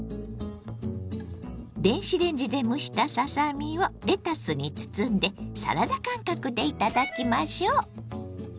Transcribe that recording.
電子レンジで蒸したささ身をレタスに包んでサラダ感覚で頂きましょ。